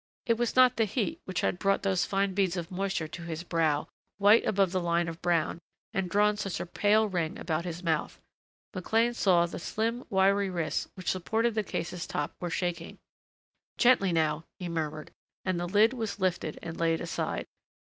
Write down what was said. It was not the heat which had brought those fine beads of moisture to his brow, white above the line of brown, and drawn such a pale ring about his mouth. McLean saw that the slim, wiry wrists which supported the case's top were shaking. "Gently now," he murmured and the lid was lifted and laid aside.